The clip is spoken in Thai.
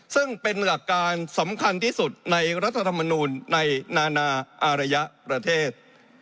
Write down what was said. ซึ่งเป็นหลักการสำคัญที่สุดในรัฐธรรมนูลในนานาอารยะประเทศ